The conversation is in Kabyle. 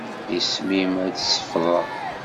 Isem-im ad t-sefḍeɣ.